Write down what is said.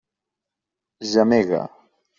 Gemega.